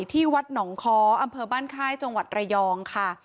ที่วัดหนองค้ออำเภอบ้านค่ายจังหวัดระยองค่ะ